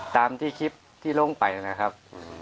ตามที่คลิปที่ลงไปนะครับ